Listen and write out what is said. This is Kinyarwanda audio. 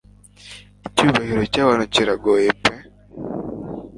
Icyubahiro cyabantu kiragoye pe